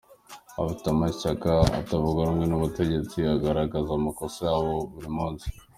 Bafite amashyaka atavuga rumwe n’ubutegetsi agaragaza amakosa yabo buri munsi.